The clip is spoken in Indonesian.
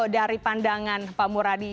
dari pandangan pak muradi